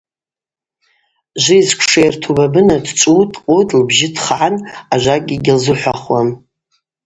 Жвизсквша йырту Бабына дчӏвыутӏ, дкъыутӏ, лбжьы тхгӏан ажвакӏгьи гьылзыхӏвахуам.